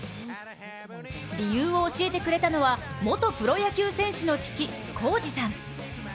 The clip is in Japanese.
理由を教えてくれたのは、元プロ野球選手の父・考史さん。